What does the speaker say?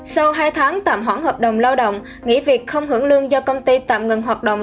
sau hai tháng tạm hoãn hợp đồng lao động nghỉ việc không hưởng lương do công ty tạm ngừng hoạt động